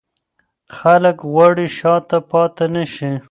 خلک غواړي شاته پاتې نه شي.